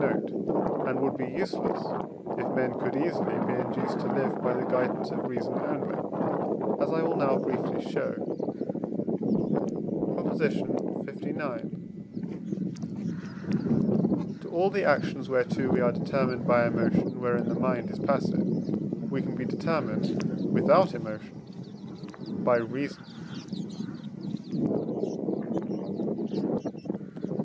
note), and would be useless, if men could easily, be induced to live by the guidance of reason only, as I will now briefly, show. PROP. LIX. To all the actions, whereto we are determined by emotion wherein the mind is passive; we can be determined without emotion by reason.